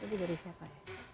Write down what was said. itu dari siapa ya